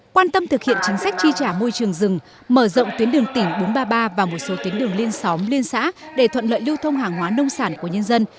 quan tâm thực hiện chính sách tri trả môi trường rừng mở rộng tuyến đường tỉnh bốn trăm ba mươi ba và một số tuyến đường liên xóm liên xã để thuận lợi lưu thông hàng hóa nông sản của nhân dân